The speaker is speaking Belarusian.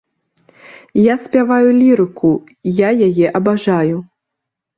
Я спяваю лірыку, я яе абажаю.